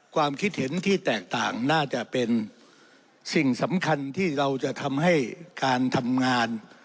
ความคิดเห็นที่แตกต่างน่าจะเป็นสิ่งสำคัญที่เราจะทำให้การทำงาน